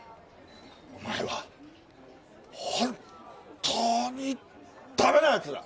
お前は本っ当にダメな奴だ！